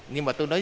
nhưng mà tôi nói